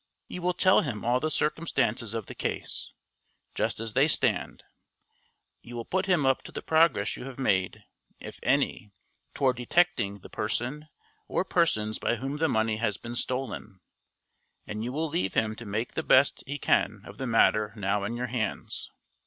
You will tell him all the circumstances of the case, just as they stand; you will put him up to the progress you have made (if any) toward detecting the person or persons by whom the money has been stolen; and you will leave him to make the best he can of the matter now in your hands.